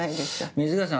水川さん